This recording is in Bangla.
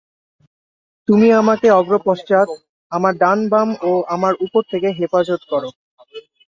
তুমি আমাকে অগ্র-পশ্চাৎ, আমার ডান-বাম ও আমার উপর থেকে হেফাজত কর।